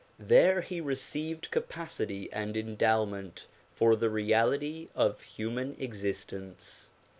There he received capacity and endowment for the reality of human existence.